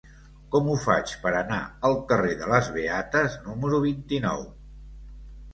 Com ho faig per anar al carrer de les Beates número vint-i-nou?